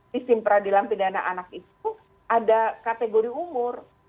sistem peradilan pidana anak itu ada kategori umur